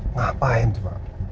ngapain tuh pak